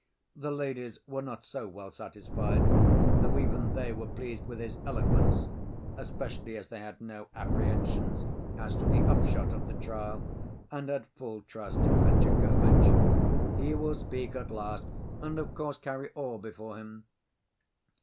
The ladies were not so well satisfied, though even they were pleased with his eloquence, especially as they had no apprehensions as to the upshot of the trial and had full trust in Fetyukovitch. "He will speak at last and of course carry all before him."